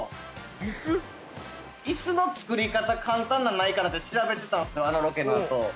いすの作り方、簡単なのないかって調べてたんですよ、あのロケのあと。